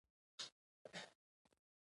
دوی په دې توګه خپل سخاوت ښوده.